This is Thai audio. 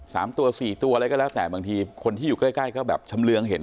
สามตัวสี่ตัวอะไรก็แล้วแต่บางทีคนที่อยู่ใกล้ใกล้ก็แบบชำเรืองเห็น